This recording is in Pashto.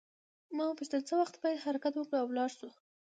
ما وپوښتل څه وخت باید حرکت وکړو او ولاړ شو.